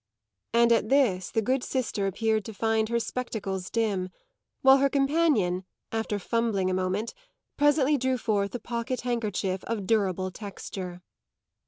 And at this the good sister appeared to find her spectacles dim; while her companion, after fumbling a moment, presently drew forth a pocket handkerchief of durable texture.